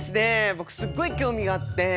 僕すっごい興味があって。